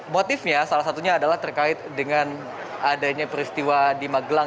motifnya salah satunya adalah terkait dengan adanya peristiwa di magelang